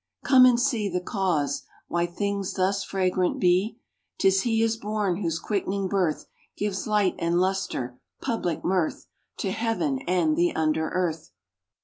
Come and see The cause, why things thus fragrant be. 'Tis He is born, whose quickening birth Gives light and lustre, public mirth, To heaven, and the under earth.